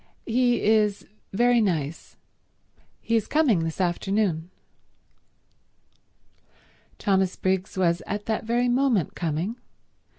He is very nice. He is coming this afternoon." Thomas Briggs was at that very moment coming.